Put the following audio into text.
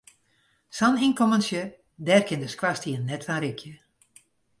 Sa'n ynkommentsje, dêr kin de skoarstien net fan rikje.